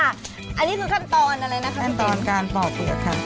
อันนี้คือขั้นตอนอะไรนะคะขั้นตอนการปอกเปลือกค่ะ